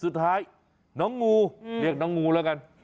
สุดท้ายน้องงูเรียกน้องงูแล้วกัน